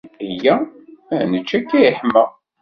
Yya ad nečč akka yeḥma.